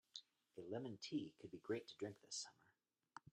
A lemon tea could be great to drink this summer.